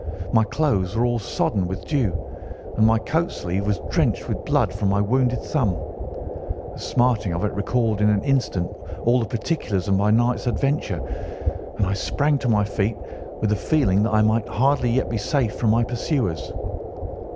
My clothes were all sodden with dew, and my coat sleeve was drenched with blood from my wounded thumb. The smarting of it recalled in an instant all the particulars of my night's adventure, and I sprang to my feet with the feeling that I might hardly yet be safe from my pursuers.